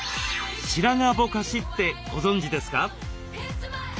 「白髪ぼかし」ってご存じですか？